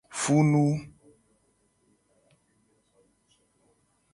Funu.